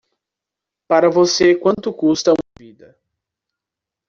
para você quanto custa uma vida